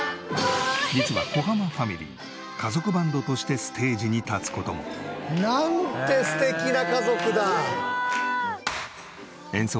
実は小濱ファミリー家族バンドとしてステージに立つ事も。なんて素敵な家族だ！